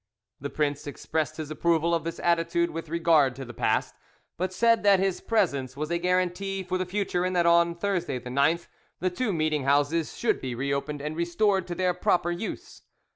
The prince expressed his approval of this attitude with regard to the past, but said that his presence was a guarantee for the future, and that on Thursday the 9th inst. the two meeting houses should be reopened and restored to their proper use.